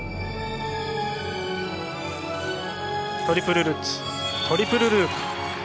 トリプルルッツトリプルループ。